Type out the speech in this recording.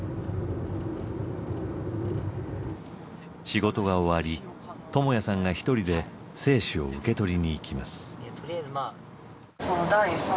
仕事が終わりともやさんが１人で精子を受け取りに行きます。